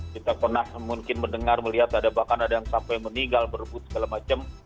kita pernah mungkin mendengar melihat ada bahkan ada yang sampai meninggal berebut segala macam